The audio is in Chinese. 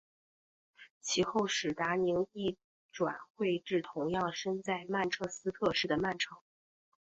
其后史达宁亦转会至同样身在曼彻斯特市的曼城。